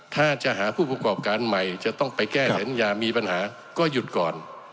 ถ้าจะหาผู้ประกอบการใหม่จะต้องไปแก้สัญญามีปัญหาก็หยุดก่อน